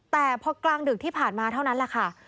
แต่พอกลางดึกที่ผ่านมาเท่านั้นแหละค่ะ